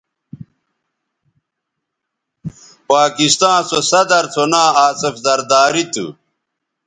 پاکستاں سو صدرسو ناں آصف زرداری تھو